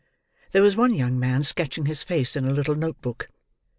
There was one young man sketching his face in a little note book.